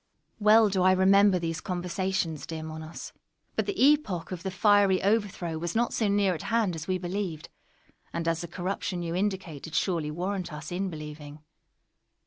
_ Well do I remember these conversations, dear Monos; but the epoch of the fiery overthrow was not so near at hand as we believed, and as the corruption you indicate did surely warrant us in believing.